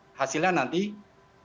sehingga hasilnya nanti kita lebih